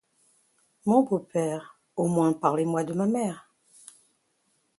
Mon bon père, au moins parlez-moi de ma mère!